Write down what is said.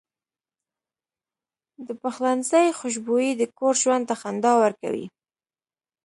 د پخلنځي خوشبويي د کور ژوند ته خندا ورکوي.